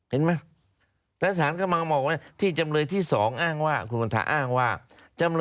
เห็นไหม